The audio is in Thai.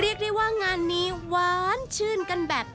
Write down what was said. เรียกได้ว่างานนี้หวานชื่นกันแบบ